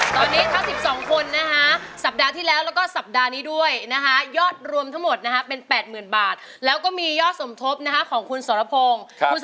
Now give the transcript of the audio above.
ตอนนี้ทั้ง๑๒คนนะฮะสัปดาห์ที่แล้วแล้วก็สัปดาห์นี้ด้วยนะคะยอดรวมทั้งหมดนะฮะเป็น๘๐๐๐บาทแล้วก็มียอดสมทบนะคะของคุณสรพงศ์